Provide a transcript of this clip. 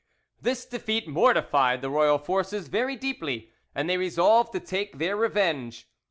This defeat mortified the royal forces very deeply, and they resolved to take their revenge.